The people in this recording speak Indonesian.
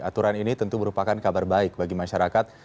aturan ini tentu merupakan kabar baik bagi masyarakat